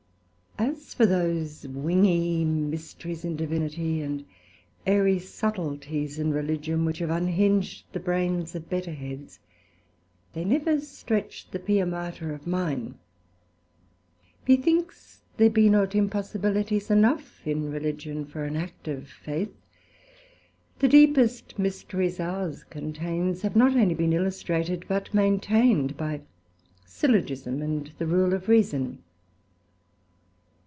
9 As for those wingy Mysteries in Divinity, and airy subtleties in Religion, which have unhing'd the brains of better heads, they never stretched the Pia Mater of mine. Methinks there be not impossibilities enough in Religion for an active faith; the deepest Mysteries ours contains have not only been illustrated, but maintained, by Syllogism and the rule of Reason.